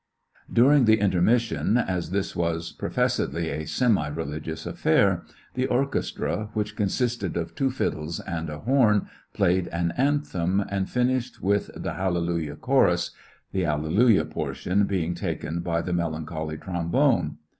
77ie Halle During the intermission, as this was profess or /A^rAT?m6ow« edly a "semi religious" affair, the orchestra, which consisted of two fiddles and a horn, played an anthem, and finished with the "Hal lelujah Chorus," the hallelujah portion being taken by the melancholy trombone.